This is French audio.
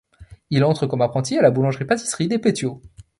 Il entre comme apprenti à la boulangerie-pâtisserie des Petiot.